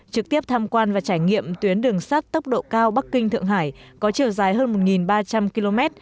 trực tiếp tham quan và trải nghiệm tuyến đường sắt tốc độ cao bắc kinh thượng hải có chiều dài hơn một ba trăm linh km